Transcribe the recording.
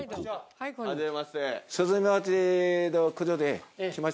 はい。